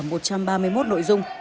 ở một trăm ba mươi một nội dung